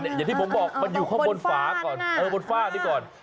อย่างที่ผมบอกมันอยู่ข้างบนฝ้านี่ก่อน